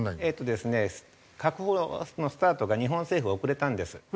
えっとですね確保のスタートが日本政府は遅れたんです。